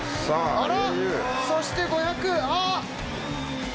あらそして５００あっ！